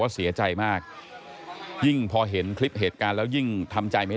เสียใจมากยิ่งพอเห็นคลิปเหตุการณ์แล้วยิ่งทำใจไม่ได้